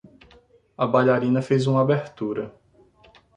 A bailarina fez uma abertura